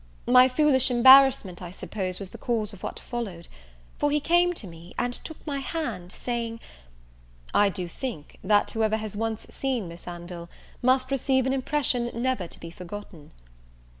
My foolish embarrassment, I suppose, was the cause of what followed; for he came to me, and took my hand saying, "I do think, that whoever has once seen Miss Anville, must receive an impression never to be forgotten."